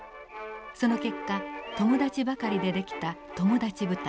その結果友達ばかりで出来た友達部隊。